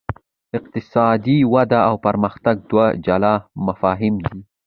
اقتصادي وده او پرمختګ دوه جلا مفاهیم دي.